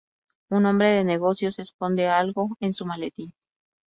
Un hombre de negocios se esconde algo en su maletín.